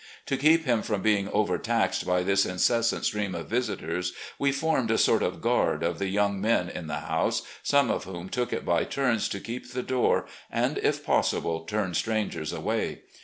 To keep him from being overtaxed by this incessant stream of visitors, we formed a sort of guard of the young men in the house, some of whom took it by turns to keep the door and, if possible, ttim strangers away.